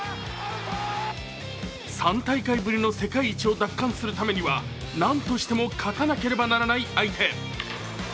３大会ぶりの世界一を奪還するためにはなんとしても勝たなければならない相手。